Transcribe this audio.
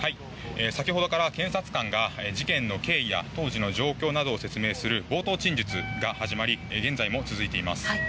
先ほどから検察官が事件の経緯や当時の状況などを説明する冒頭陳述が始まり現在も続いています。